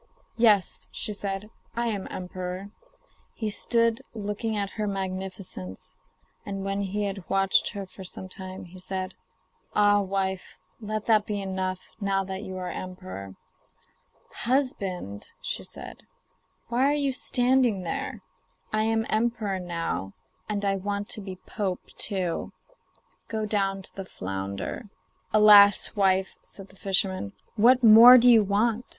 'Yes,' she said, 'I am emperor.' He stood looking at her magnificence, and when he had watched her for some time, said: 'Ah, wife, let that be enough, now that you are emperor.' 'Husband,' said she, 'why are you standing there? I am emperor now, and I want to be pope too; go down to the flounder.' 'Alas! wife,' said the fisherman, 'what more do you want?